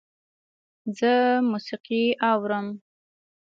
زه موسیقی اورم